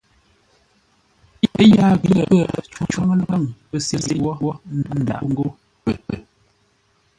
Ə́ yaa ngí pə́, cǒ ngaŋə-ləkaŋ pə̂ sê yʉʼ wó, ə́ ndǎʼ ńgó pə.